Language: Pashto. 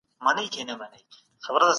په لږو شیانو باندې قناعت کول لویه ګټه ده.